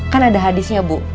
kan ada hadisnya bu